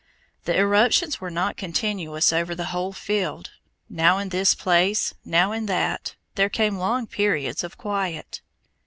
The eruptions were not continuous over the whole field; now in this place, now in that, there came long periods of quiet.